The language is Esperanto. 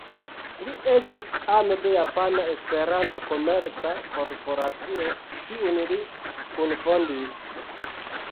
Li estis ano de Japana Esperanta Komerca Korporacio, kiun li kunfondis.